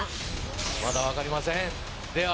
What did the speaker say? まだ分かりませんでは。